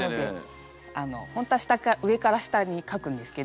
本当は上から下に書くんですけど